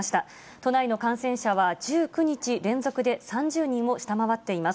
都内の感染者は１９日連続で３０人を下回っています。